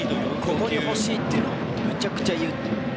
ここに欲しい！ってめちゃくちゃ言う。